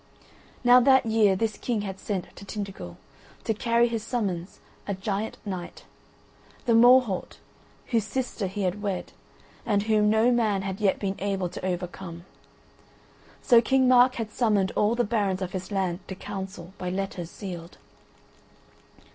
Now that year this King had sent to Tintagel, to carry his summons, a giant knight; the Morholt, whose sister he had wed, and whom no man had yet been able to overcome: so King Mark had summoned all the barons of his land to Council, by letters sealed.